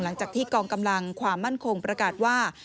หลังจากที่กองกำลังความมั่นคงประกาศว่า